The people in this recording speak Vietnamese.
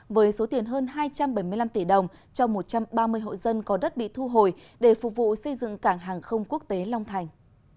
với số tiền hơn hai trăm bảy mươi năm tỷ đồng cho một trăm ba mươi hộ dân có đất bị thu hồi để phục vụ xây dựng cảng hàng không quốc tế long thành